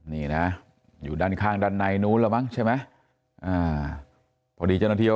นี่นะอยู่ด้านข้างด้านในนู้นแล้วมั้งใช่ไหมอ่าพอดีเจ้าหน้าที่